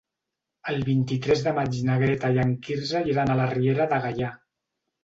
El vint-i-tres de maig na Greta i en Quirze iran a la Riera de Gaià.